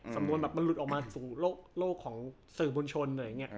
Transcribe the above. สำนวนแบบมันหลุดออกมาสู่โลกของสื่อบนชน